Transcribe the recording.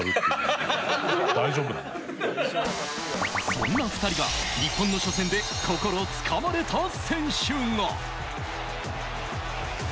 そんな２人が日本の初戦で心を掴まれた選手が。